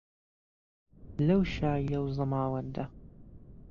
لهو شاییهو زهماوهنده